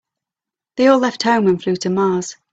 They all left home and flew to Mars.